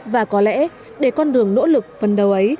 và có lẽ để con đường nỗ lực phấn đấu ấy